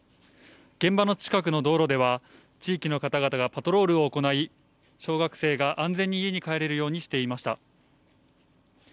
現場の近くの道路では、地域の方々がパトロールを行い、小学生が安全に家に帰れるようにしていました。